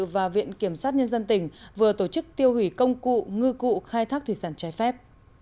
và viện kiểm sát nhân dân tỉnh vừa tổ chức tiêu hủy công cụ ngư cụ khai thác thủy sản trái phép